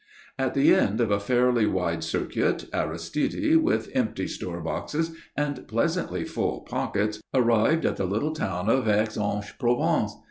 At the end of a fairly wide circuit, Aristide, with empty store boxes and pleasantly full pockets, arrived at the little town of Aix en Provence.